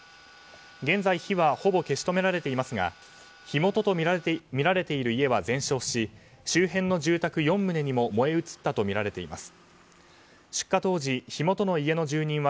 現在、火はほぼ消し止められていますが火元とみられている家は全焼し周辺の住宅４棟にも燃え移ったとみられています。